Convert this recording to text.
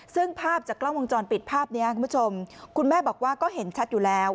ซึ่งภาพจากกล้องวงจรปิดภาพนี้คุณผู้ชมคุณแม่บอกว่าก็เห็นชัดอยู่แล้ว